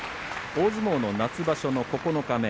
大相撲の夏場所の九日目。